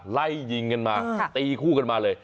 ไล่ยิงกันมาตีคู่กันมาเลย